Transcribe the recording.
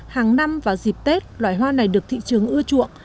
hàng năm vào dịp tết loài hoa này được thị trường ưa chuộng